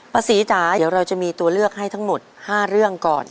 ศรีจ๋าเดี๋ยวเราจะมีตัวเลือกให้ทั้งหมด๕เรื่องก่อน